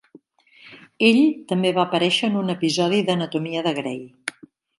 Ell també va aparèixer en un episodi d'"Anatomia de Grey".